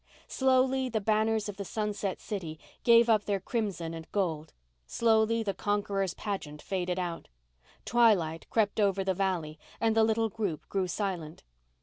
Slowly the banners of the sunset city gave up their crimson and gold; slowly the conqueror's pageant faded out. Twilight crept over the valley and the little group grew silent.